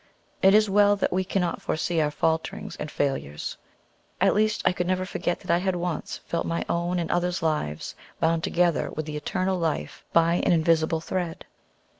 It is well that we cannot foresee our falterings and failures. At least I could never forget that I had once felt my own and other lives bound together with the Eternal Life by an invisible thread.